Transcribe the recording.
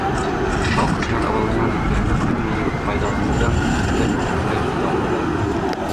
Ал кызмат абалынан кыянаттык менен пайдаланган деп айыпталууда.